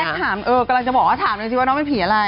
ถามเออกำลังจะบอกว่าถามหน่อยสิว่าน้องเป็นผีอะไร